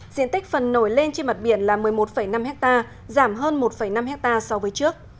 diện tích phần nổi lên trên mặt biển là một mươi một năm hectare giảm hơn một năm hectare so với trước